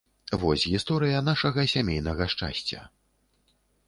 Вось гісторыя нашага сямейнага шчасця.